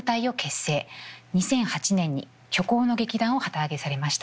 ２００８年に「虚構の劇団」を旗揚げされました。